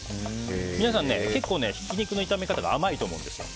皆さん、結構ひき肉の炒め方が甘いと思うんです。